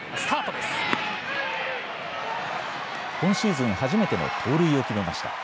今シーズン初めての盗塁を決めました。